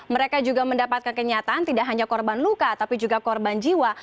mereka juga mendapatkan kenyataan tidak hanya korban luka tapi juga korban jiwa